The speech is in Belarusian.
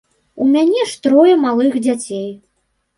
У мяне ж трое малых дзяцей.